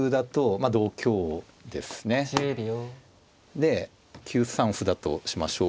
で９三歩だとしましょう。